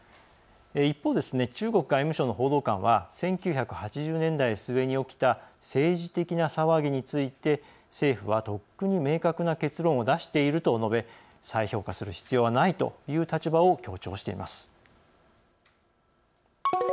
一方、中国外務省の報道官は１９８０年代末に起きた政治的な騒ぎについて政府はとっくに明確な結論を出していると述べ再評価する必要はないという立場を強調しています。